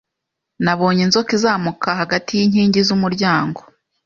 Nabonye inzoka izamuka hagati yinkingi zumuryango